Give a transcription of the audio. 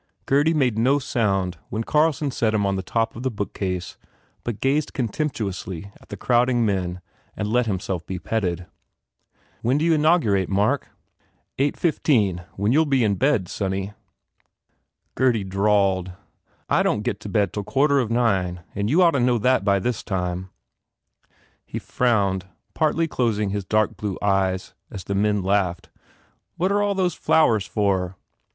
Gurdy made no sound when Carlson set him on the top of the bookcase but gazed contemptuously at the crowding men and let himself be petted. "When d you inaugurate, Mark?" "Eight fifteen, when you ll be in bed, sonny."* Gurdy drawled, "I don t get to bed till quarter of nine and you ought to know that by this time." He frowned, partly closing his dark blue eyes, as the men laughed. "What are all those flowers for?"